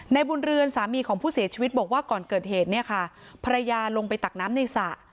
บุญเรือนสามีของผู้เสียชีวิตบอกว่าก่อนเกิดเหตุเนี่ยค่ะภรรยาลงไปตักน้ำในสระ